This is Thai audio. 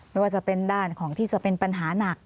ไม่ว่าจะเป็นด้านของที่จะเป็นปัญหาหนัก